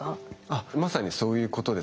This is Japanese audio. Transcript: あっまさにそういうことです。